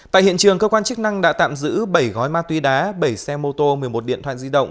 tại hiện trường cơ quan chức năng đã tạm giữ bảy gói ma túy đá bảy xe mô tô một mươi một điện thoại di động